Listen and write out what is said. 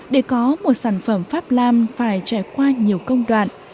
để có một sản phẩm pháp lam phải trải qua nhiều công đoạn